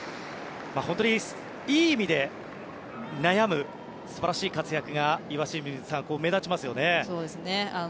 本当にいい意味で悩む素晴らしい活躍が岩清水さん、目立ちますよね。